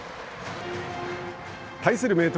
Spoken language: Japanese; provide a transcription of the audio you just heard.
対する明徳